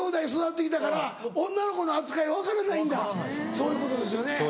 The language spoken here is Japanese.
そういうことですよね。